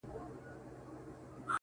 گرانه شاعره صدقه دي سمه!!